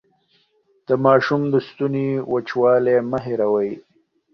د ماشوم د ستوني وچوالی مه هېروئ.